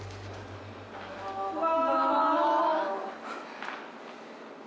こんばんは。